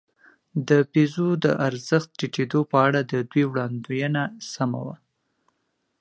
د پیزو د ارزښت ټیټېدو په اړه د دوی وړاندوېنه سمه وه.